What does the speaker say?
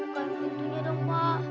pak bukan gitu dong pak